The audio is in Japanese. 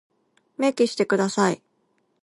明記してください。